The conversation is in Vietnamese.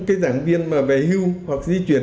cái giảng viên mà về hưu hoặc di chuyển